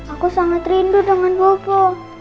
aku sangat rindu dengan bobo